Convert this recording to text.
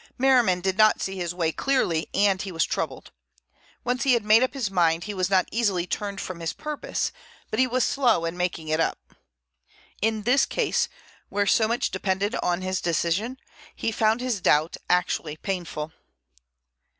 Merriman did not see his way clearly, and he was troubled. Once he had made up his mind he was not easily turned from his purpose, but he was slow in making it up. In this case, where so much depended on his decision, he found his doubt actually painful.